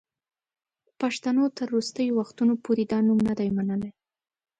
پښتنو تر وروستیو وختونو پوري دا نوم نه دی منلی.